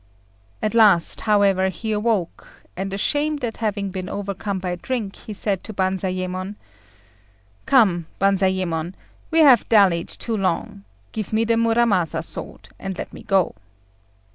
At last, however, he awoke, and, ashamed at having been overcome by drink, he said to Banzayémon "Come, Banzayémon, we have dallied too long; give me the Muramasa sword, and let me go."